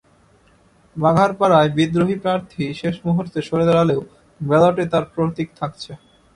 বাঘারপাড়ায় বিদ্রোহী প্রার্থী শেষ মুহূর্তে সরে দাঁড়ালেও ব্যালটে তাঁর প্রতীক থাকছে।